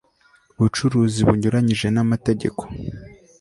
bucuruzi bunyuranyije n amategeko